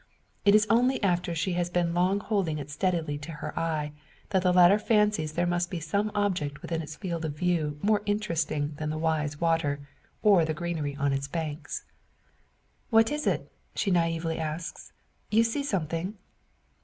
It is only after she has been long holding it steadily to her eye, that the latter fancies there must be some object within its field of view more interesting than the Wye's water, or the greenery on its banks. "What is it?" she naively asks. "You see something?"